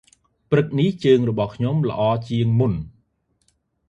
ព្រឹកនេះ ជើងរបស់ខ្ញុំល្អជាងមុន ។